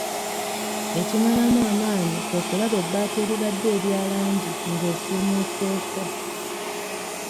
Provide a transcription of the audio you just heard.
Ekimalamu amaanyi kwe kulaba ebbaati eribadde erya langi nga esiimuuseeko..